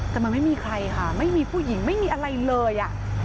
แต่มันไม่มีใครค่ะไม่มีผู้หญิงไม่มีอะไรเลย